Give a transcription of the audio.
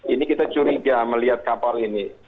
ini kita curiga melihat kapal ini